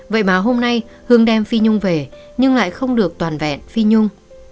vậy mà hôm nay hương đem phi nhung về nhưng lại không được toàn vẹn phi nhung